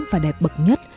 và đẹp bậc nhất